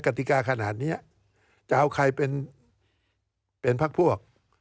กติกาขนาดนี้จะเอาใครเป็นพักพวก